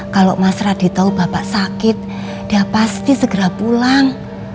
kalau mas radi tahu bapak sakit ya pasti segera pulang